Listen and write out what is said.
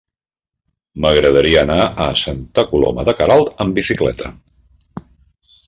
M'agradaria anar a Santa Coloma de Queralt amb bicicleta.